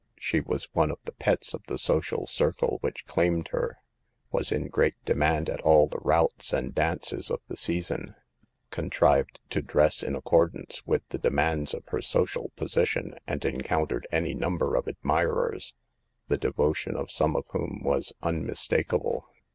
She was one of the pets of the social circle which claimed her, was in great demand at all the routs and dances of the season, con trived to dress in accordance with the demands of her social position, and encountered any number of admirers, the devotion of some of whom was unmistakable.